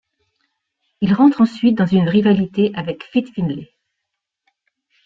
Il rentre ensuite dans une rivalité avec Fit Finlay.